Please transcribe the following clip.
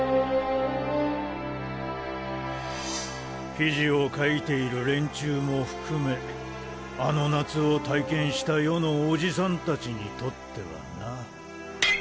記事を書いている連中も含めあの夏を体験した世のオジサン達にとってはな。